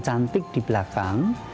jadi saya tidak bisa menyebabkan itu